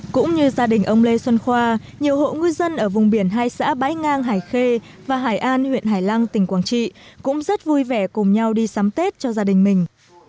cũng như gia đình ông lê xuân khoa nhiều hộ ngư dân ở vùng biển hai xã bãi ngang hải khê và hải an huyện hải lăng tỉnh quảng trị cũng rất vui vẻ cùng nhau đi sắm tết cho gia đình mình